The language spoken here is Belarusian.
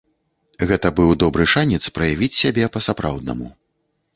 Гэта быў добры шанец праявіць сябе па-сапраўднаму.